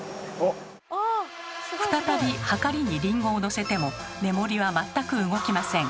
再びはかりにリンゴをのせてもメモリは全く動きません。